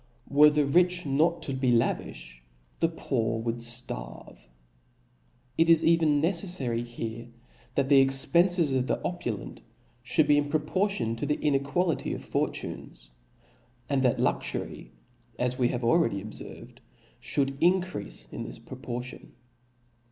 Were the rich not to bela vilh, the poor would ftarve. It is even necefla ry here, that the expences of the opulent (hould be in proportion to the inequality of fortunes ; and that luxury, as we have already obferved, fliould increafe in this proportion.